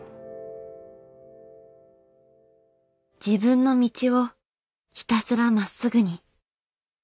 自分の道をひたすらまっすぐに。